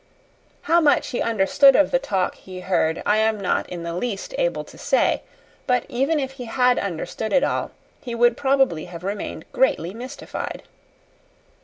How much he understood of the talk he heard I am not in the least able to say; but, even if he had understood it all, he would probably have remained greatly mystified.